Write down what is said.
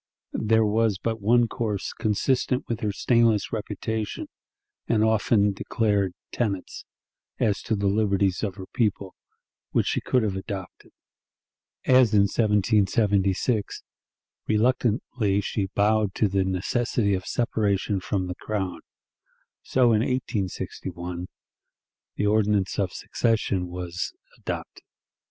There was but one course consistent with her stainless reputation and often declared tenets, as to the liberties of her people, which she could have adopted. As in 1776, reluctantly she bowed to the necessity of separation from the Crown, so in 1861 the ordinance of secession was adopted.